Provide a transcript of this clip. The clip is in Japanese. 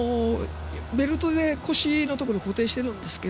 ベルトで腰のところ固定してるんですが